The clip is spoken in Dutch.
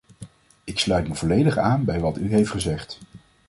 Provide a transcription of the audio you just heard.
Ik sluit me volledig aan bij wat u heeft gezegd.